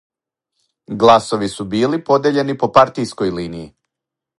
Гласови су били подељени по партијској линији.